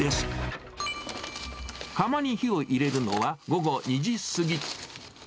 かまに火を入れるのは、午後２時過ぎ。